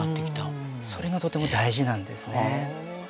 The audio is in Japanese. それがとても大事なんですね。